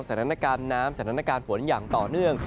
สถานการณ์น้ำสถานการณ์ฝนอย่างต่อเนื่อง